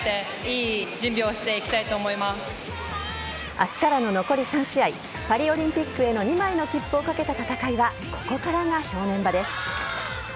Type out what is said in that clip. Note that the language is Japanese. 明日からの残り３試合パリオリンピックへの２枚の切符を懸けた戦いはここからが正念場です。